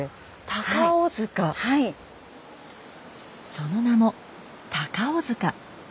その名も高尾塚。